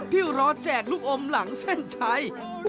ที่รอแจกลูกอมหลังเส้นชัย